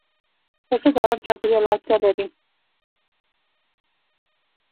پسه د آرام چاپېریال اړتیا لري.